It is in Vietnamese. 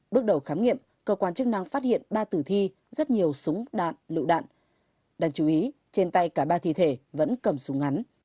bước đầu khám nghiệm cơ quan chức năng phát hiện ba tử thi rất nhiều súng đạn lựu đạn đáng chú ý trên tay cả ba thi thể vẫn cầm súng ngắn